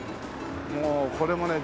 もうこれもね